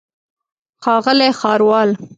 ښاغلی ښاروال.